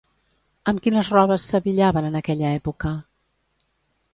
Amb quines robes s'abillaven en aquella època?